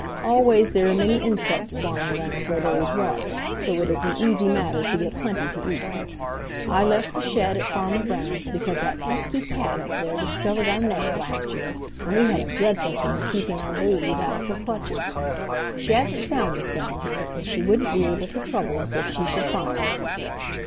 Always there are many insects flying around where there is water, so it is an easy matter to get plenty to eat. I left the shed at Farmer Brown's because that pesky cat up there discovered our nest last year, and we had a dreadful time keeping our babies out of her clutches. She hasn't found us down here, and she wouldn't be able to trouble us if she should find us."